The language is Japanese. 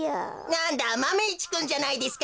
なんだマメ１くんじゃないですか。